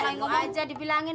nengok aja dibilangin